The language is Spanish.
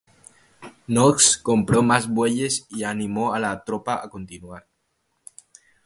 Knox compró más bueyes y animó a la tropa a continuar.